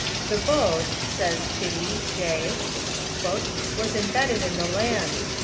"The boat," says Chitty, J.," "was embedded in the land.